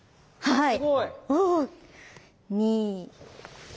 はい。